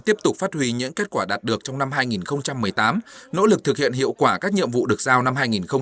tiếp tục phát huy những kết quả đạt được trong năm hai nghìn một mươi tám nỗ lực thực hiện hiệu quả các nhiệm vụ được giao năm hai nghìn một mươi chín